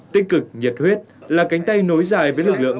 tích cực nhiệt huyết là cánh tay nối dài với lực lượng